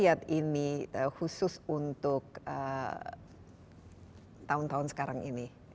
lihat ini khusus untuk tahun tahun sekarang ini